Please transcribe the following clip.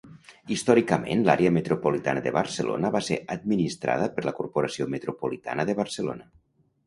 Històricament l'Àrea Metropolitana de Barcelona va ser administrada per la Corporació Metropolitana de Barcelona.